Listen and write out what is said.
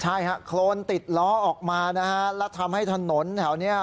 ใช่ฮะโครนติดล้อออกมานะฮะแล้วทำให้ถนนแถวนี้